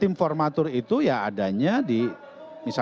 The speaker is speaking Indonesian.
tim formatur itu ya adanya di misalnya